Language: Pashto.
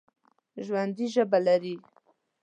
ژوندي ژبه لري